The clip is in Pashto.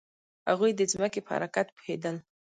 هغوی د ځمکې په حرکت پوهیدل.